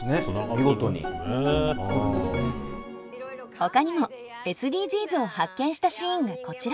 ほかにもＳＤＧｓを発見したシーンがこちら。